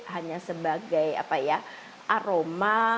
hanya sebagai aroma